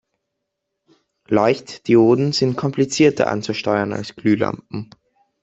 Leuchtdioden sind komplizierter anzusteuern als Glühlampen.